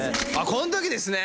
この時ですね！